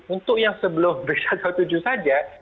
untuk yang sebelum b tujuh belas saja